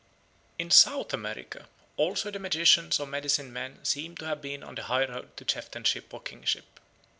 In South America also the magicians or medicine men seem to have been on the highroad to chieftainship or kingship.